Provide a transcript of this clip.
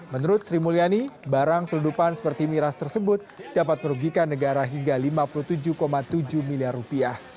menurut sri mulyani barang seludupan seperti miras tersebut dapat merugikan negara hingga lima puluh tujuh tujuh miliar rupiah